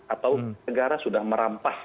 atau negara sudah merampas